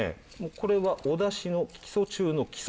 これはお出汁の基礎中の基礎。